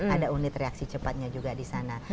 ada unit reaksi cepatnya juga disana